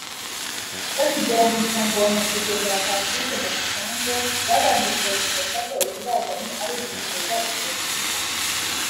bakigera mu muryango wa Nyakwigendera Patrick Mafisango babanje kubamenyesha ko ikibazanye ari ugusohoza intego bihaye